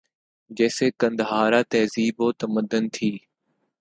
جیسے قندھارا تہذیب و تمدن تھی